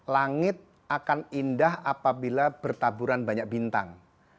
langit akan indah apabila bertaburan banyak bintang